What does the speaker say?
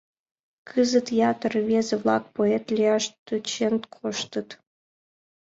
Кызыт ятыр рвезе-влак поэт лияш тӧчен коштыт.